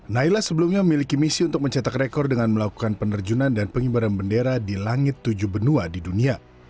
naila sebelumnya memiliki misi untuk mencetak rekor dengan melakukan penerjunan dan pengibaran bendera di langit tujuh benua di dunia